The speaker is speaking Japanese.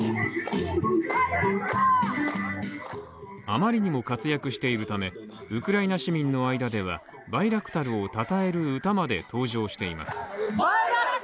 あまりにも活躍しているため、ウクライナ市民の間では、バイラクタルをたたえる歌まで登場しています。